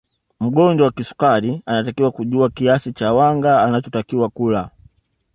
Mgonjwa wa kisukari anatakiwa kujua kiasi cha wanga anachotakiwa kula